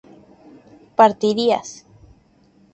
partirías